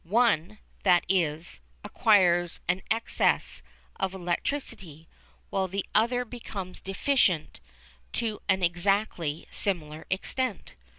One, that is, acquires an excess of electricity, while the other becomes deficient to an exactly similar extent.